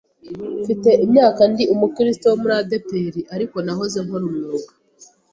mfite imyaka ndi umukristo wo muri ADEPR ariko nahoze nkora umwuga